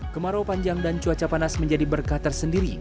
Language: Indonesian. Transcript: kemarau panjang dan cuaca panas menjadi berkah tersendiri